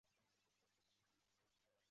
继续为考取金融分析师的牌照而努力。